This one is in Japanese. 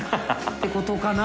てことかな？